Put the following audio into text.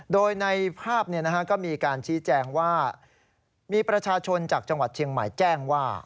โดยในภาพก็มีการชี้แจงว่ามีประชาชนจากจังหวัดเชียงใหม่แจ้งว่า